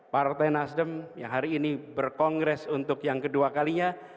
partai nasdem yang hari ini berkongres untuk yang kedua kalinya